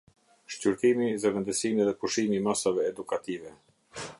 Shqyrtimi, zëvendësimi dhe pushimi i masave edukative.